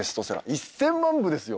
１，０００万部ですよ。